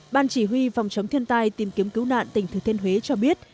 ban chỉ huy phòng chống thiên tai tìm kiếm cứu nạn tỉnh thừa thiên huế cho biết